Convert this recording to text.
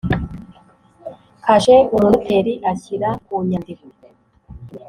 kashe umunoteri ashyira ku nyandiko